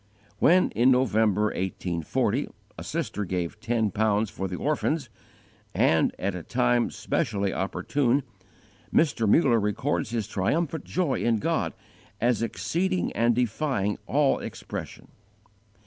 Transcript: When, in November, 1840, a sister gave ten pounds for the orphans, and at a time specially opportune, Mr. Muller records his triumphant joy in God as exceeding and defying all expression.